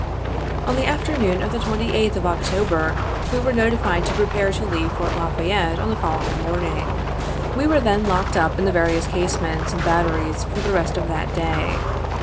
47 On the afternoon of the 28th of October, we were notified to prepare to leave Fort La Fayette on the following morning. We were then locked up in the various casemates and batteries for the rest of that day.